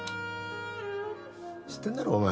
知ってんだろお前。